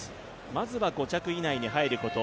まずは５着以内に入ること。